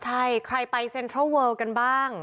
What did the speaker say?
ใช่ใครไปเซ็นทรัลเวิลกันบ้าง